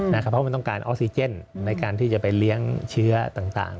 เพราะมันต้องการออกซิเจนในการที่จะไปเลี้ยงเชื้อต่าง